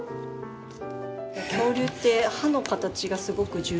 恐竜って歯の形がすごく重要なんですよ。